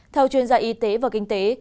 theo chuyên gia y tế và kinh tế